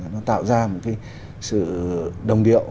nó tạo ra một cái sự đồng điệu